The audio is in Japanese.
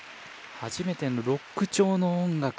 初めてのロック調の音楽